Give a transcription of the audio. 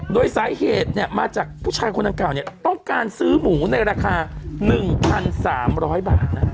โดยสาเหตุมาจากผู้ชายคุณอื่นเก่าต้องการซื้อหมูในราคา๑๓๐๐บาท